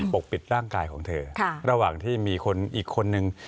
ปกปิดร่างกายของเธอระหว่างที่มีคนอีกคนนึง